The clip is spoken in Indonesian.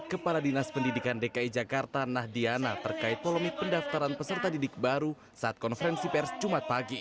kepala dinas pendidikan dki jakarta nahdiana terkait polemik pendaftaran peserta didik baru saat konferensi pers jumat pagi